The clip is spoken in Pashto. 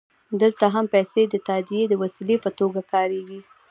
دلته هم پیسې د تادیې د وسیلې په توګه کارېږي